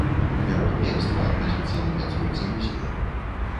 Мерапрыемства адбудзецца на пляцоўцы музея.